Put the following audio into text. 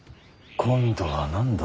今度は何だ。